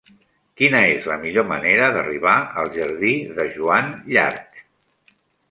Quina és la millor manera d'arribar al jardí de Joan Llarch?